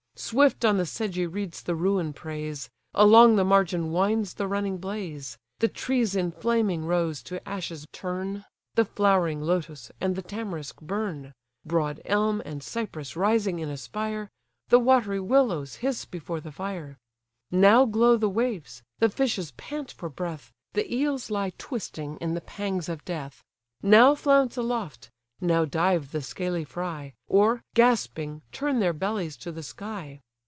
Swift on the sedgy reeds the ruin preys; Along the margin winds the running blaze: The trees in flaming rows to ashes turn, The flowering lotos and the tamarisk burn, Broad elm, and cypress rising in a spire; The watery willows hiss before the fire. Now glow the waves, the fishes pant for breath, The eels lie twisting in the pangs of death: Now flounce aloft, now dive the scaly fry, Or, gasping, turn their bellies to the sky.